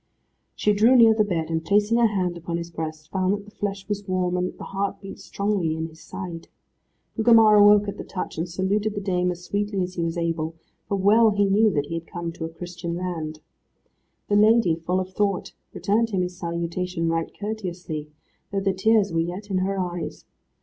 She drew near the bed, and placing her hand upon his breast, found that the flesh was warm, and that the heart beat strongly in his side. Gugemar awoke at the touch, and saluted the dame as sweetly as he was able, for well he knew that he had come to a Christian land. The lady, full of thought, returned him his salutation right courteously, though the tears were yet in her eyes.